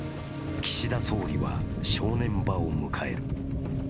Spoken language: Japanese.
岸田総理は正念場を迎える。